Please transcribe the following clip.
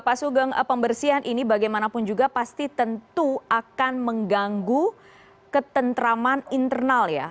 pak sugeng pembersihan ini bagaimanapun juga pasti tentu akan mengganggu ketentraman internal ya